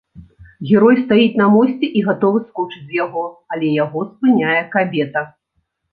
Герой стаіць на мосце і гатовы скочыць з яго, але яго спыняе кабета.